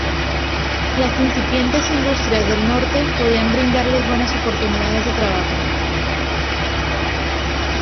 Las incipientes industrias del norte podían brindarles buenas oportunidades de trabajo.